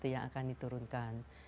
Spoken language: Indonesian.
yang akan diturunkan